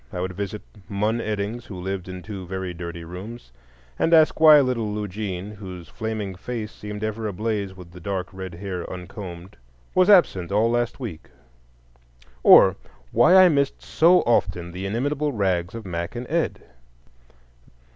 I would visit Mun Eddings, who lived in two very dirty rooms, and ask why little Lugene, whose flaming face seemed ever ablaze with the dark red hair uncombed, was absent all last week, or why I missed so often the inimitable rags of Mack and Ed.